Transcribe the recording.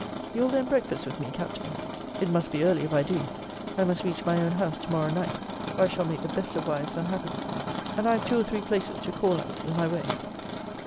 You will then breakfast with me, Captain? It must be early if I do. I must reach my own house to morrow night, or I shall make the best of wives unhappy. And I have two or three places to call at in my way.